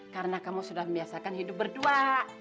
karena kamu sudah membiasakan hidup berdua